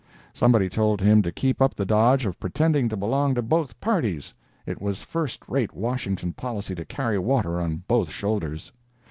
Somebody told him to keep up the dodge of pretending to belong to both parties—it was first rate Washington policy to carry water on both shoulders.